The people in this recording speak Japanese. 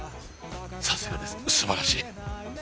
さすがです素晴らしい